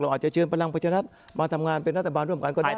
อาจจะเชิญพลังประชารัฐมาทำงานเป็นรัฐบาลร่วมกันก็ได้